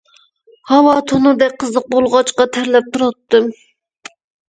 ھاۋا تونۇردەك قىزىق بولغاچقا تەرلەپ تۇراتتىم.